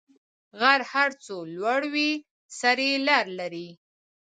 غر هر څو لوړ وي، سر یې لېر لري.